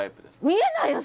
見えないよ